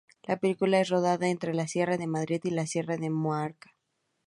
La película es rodada entre la Sierra de Madrid y la Sierra de Mallorca.